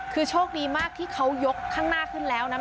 คือโชคดีมากที่เขายกข้างหน้าขึ้นแล้วนะ